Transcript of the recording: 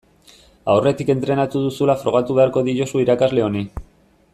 Aurretik entrenatu duzula frogatu beharko diozu irakasle honi.